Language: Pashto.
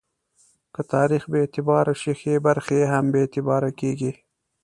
که تاریخ بې اعتباره شي، ښې برخې یې هم بې اعتباره کېږي.